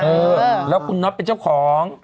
เออแล้วคุณน็อตเป็นเจ้าของ